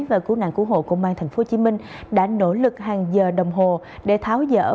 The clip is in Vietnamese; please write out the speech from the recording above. và cứu nạn cứu hộ công an tp hcm đã nỗ lực hàng giờ đồng hồ để tháo dỡ